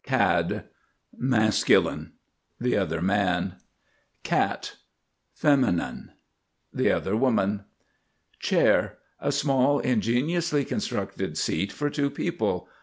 CAD, m. The other man. CAT, f. The other woman. CHAIR. A small ingeniously constructed seat for two people.